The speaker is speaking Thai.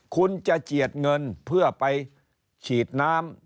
คุณจะเจียดเงินเพื่อไปฉีดน้ำ